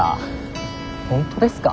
本当ですか？